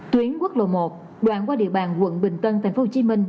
tuyến quốc lộ một đoạn qua địa bàn quận bình tân tp hcm